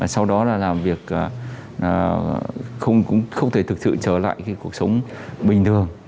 sau đó là làm việc không thể thực sự trở lại cuộc sống bình thường